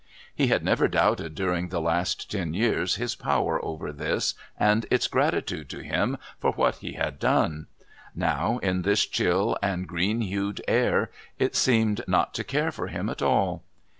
He had never doubted during the last ten years his power over this and its gratitude to him for what he had done: now, in this chill and green hued air, it seemed not to care for him at all.